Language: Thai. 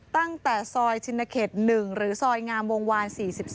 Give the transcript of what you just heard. ตั้งแต่ซอยชินเขต๑หรือซอยงามวงวาน๔๒